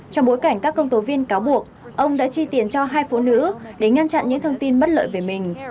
trong bối cảnh các công tố viên cáo buộc ông đã chi tiền cho hai phụ nữ để ngăn chặn những thông tin bất lợi về mình